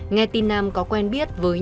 nghe tin nam có quen biết với những